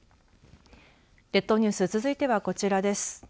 列島ニュース続いてはこちらです。